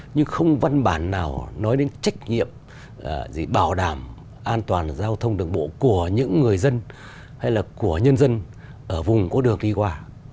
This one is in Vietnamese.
nhưng không văn bản nào nói đến trách nhiệm gì bảo đảm an toàn giao thông đường bộ của những người dân hay là của nhân dân ở vùng có đường đi qua